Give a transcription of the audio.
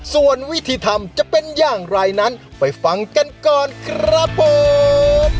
ส่วนวิธีทำจะเป็นอย่างไรนั้นไปฟังกันก่อนครับผม